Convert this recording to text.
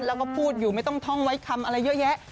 แล้วก็พูดอยู่ไม่ต้องท่องไว้คำอะไรเยอะแยะ